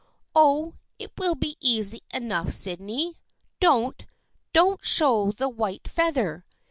Oh, it will be easy enough, Sydney. Don't, don't show the white feather